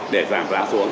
để giảm giá xuống